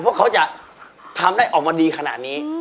พวกเขาจะทำได้ออกมาดีขนาดนี้